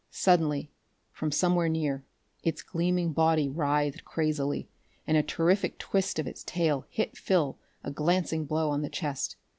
Suddenly, from somewhere near, its gleaming body writhed crazily, and a terrific twist of its tail hit Phil a glancing blow on the chest.